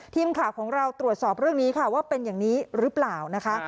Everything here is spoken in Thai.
ทีมข่าวของเราตรวจสอบเรื่องนี้ค่ะว่าเป็นอย่างนี้หรือเปล่านะคะ